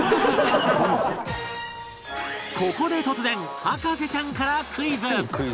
ここで突然博士ちゃんからクイズ